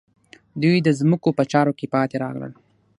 دوی د ځمکو په چارو کې پاتې راغلل.